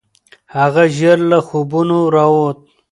هغه ژر له خوبونو راووت.